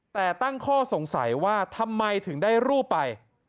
แต่ตั้งข้อสงสัยว่าทำไมถึงได้รูปไป